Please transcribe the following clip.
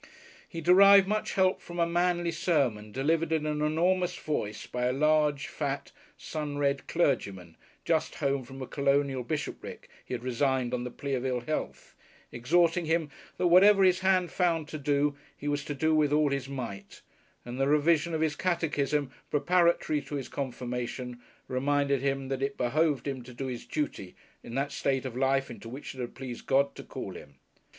He derived much help from a "manly" sermon delivered in an enormous voice by a large, fat, sun red clergyman, just home from a colonial bishopric he had resigned on the plea of ill health, exhorting him that whatever his hand found to do, he was to do with all his might; and the revision of his Catechism preparatory to his confirmation reminded him that it behooved him "to do his duty in that state of life unto which it shall please God to call him...."